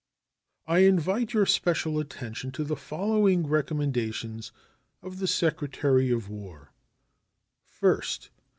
I invite your special attention to the following recommendations of the Secretary of War: First.